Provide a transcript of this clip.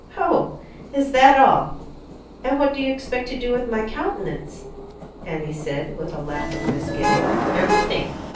"Oh, is that all? And what do you expect to do with my countenance?" Annie said, with a laugh of misgiving. "Everything.